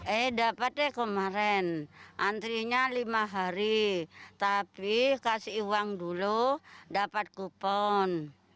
eh dapat deh kemarin antrinya lima hari tapi kasih uang dulu dapat kupon